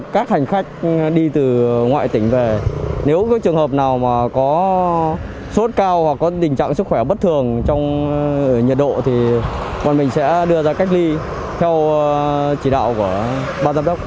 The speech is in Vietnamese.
các hành khách đi từ ngoại tỉnh về nếu có trường hợp nào mà có sốt cao hoặc có tình trạng sức khỏe bất thường trong nhiệt độ thì bọn mình sẽ đưa ra cách ly theo chỉ đạo của ban giám đốc